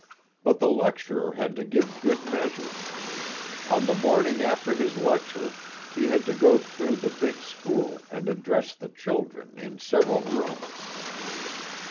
But the lecturer had to give good measure : on the morning after his lecture he had to go through the big school and address the children in several rooms.